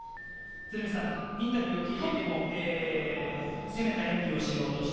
インタビューを聞いていても攻めた演技をしようとした。